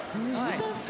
難しい。